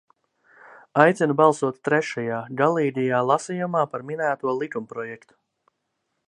Aicinu balsot trešajā, galīgajā, lasījumā par minēto likumprojektu.